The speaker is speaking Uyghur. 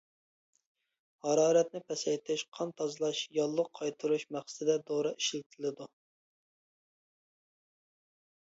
ھارارەتنى پەسەيتىش، قان تازىلاش، ياللۇغ قايتۇرۇش مەقسىتىدە دورا ئىشلىتىلىدۇ.